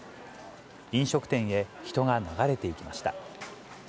飲食店へ人が流れていきました。